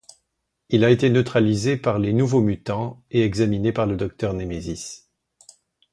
Il a été neutralisé par les Nouveaux Mutants et examiné par le Docteur Némésis.